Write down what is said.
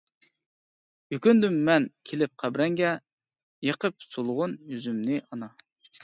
يۈكۈندۈم مەن كېلىپ قەبرەڭگە، يېقىپ سولغۇن يۈزۈمنى ئانا.